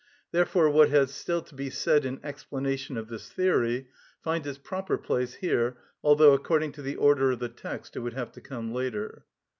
Therefore what has still to be said in explanation of this theory finds its proper place here, although according to the order of the text it would have to come later.